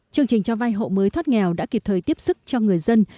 chương trình cho vay hộ mới thoát nghèo đã kịp thời tiếp sức cho người dân